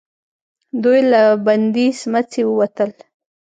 دوئ له بندې سمڅې ووتل.